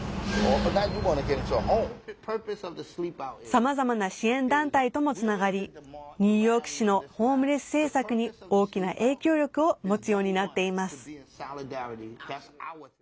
さまざまな支援団体ともつながりニューヨーク市のホームレス政策に大きな影響力を持つようになっています。